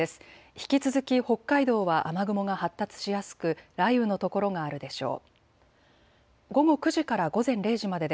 引き続き北海道は雨雲が発達しやすく雷雨の所があるでしょう。